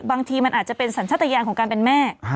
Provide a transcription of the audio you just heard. บางทีมันอาจจะเป็นสัญชาติยานของการเป็นแม่